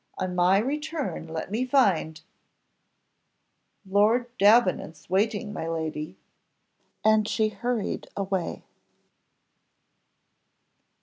On my return let me find " "Lord Davenant's waiting, my lady," and she hurried away.